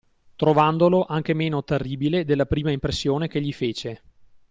Trovandolo anche meno terribile della prima impressione che gli fece.